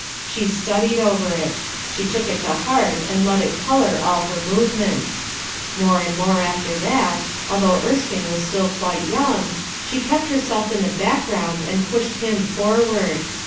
She studied over it; she' took it to heart and let it color all her movements.' More and more after "NEVER MIXD, MOMMIE" 21 that, although Erskine was still quite young, she kept herself in the background and pushed him forward.